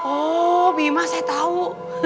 oh bima saya tahu